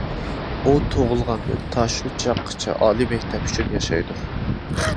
ئۇ تۇغۇلغاندىن تا شۇ چاغقىچە ئالىي مەكتەپ ئۈچۈن ياشايدۇ.